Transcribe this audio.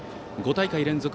５大会連続